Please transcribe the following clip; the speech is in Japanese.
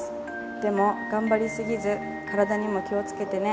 でも、頑張り過ぎず、体にも気をつけてね。